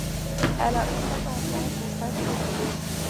Elle a eu sept enfants, dont cinq survivent.